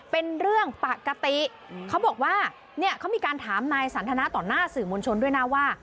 เป็นเรื่องปกติเขาบอกว่าเนี่ยเขามีการถามนายสันทนาต่อหน้าสื่อมวลชนด้วยนะว่า